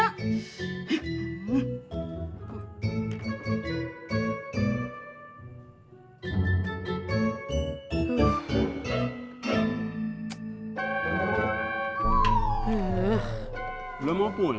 klen baruj selanjutnya